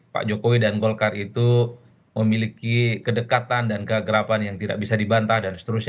pak jokowi dan golkar itu memiliki kedekatan dan keagerapan yang tidak bisa dibantah dan seterusnya